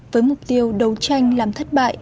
với mục tiêu đấu tranh làm thất bại